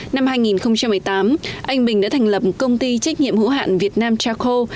năm hai nghìn một mươi tám anh bình đã thành lập công ty trách nhiệm hữu hạn việt nam charco